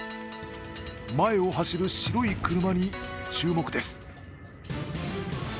前を走る白い車に注目です。